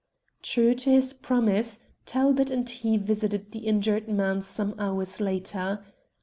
True to his promise, Talbot and he visited the injured man some hours later.